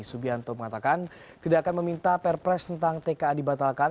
subianto mengatakan tidak akan meminta perpres tentang tka dibatalkan